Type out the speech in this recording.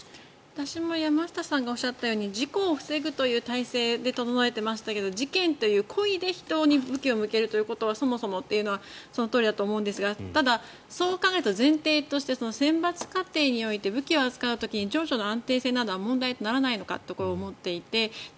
私も山下さんがおっしゃったように事故を防ぐという体制を整えていましたが事件という故意で人に武器を向けるというのはそもそもっていうのはそのとおりだと思うんですがそう考えた前提として選抜過程において武器を扱う時に情緒の安定さは問題にならないのかとか。